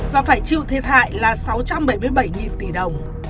và phải chịu thiệt hại là sáu trăm linh